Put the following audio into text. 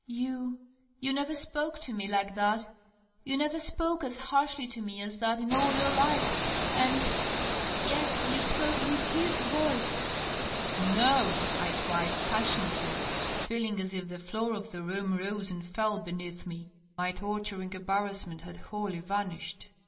You — you never spoke to me like that — ^you never spoke as harshly to me as that in all your life — and .. yes, you spoke with his voice .'"" No !" I cried, passionately, feeling as if the floor of the room rose and fell beneath me. My torturing embEirrassment had wholly vanished.